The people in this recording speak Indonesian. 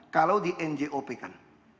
kalau di njop kan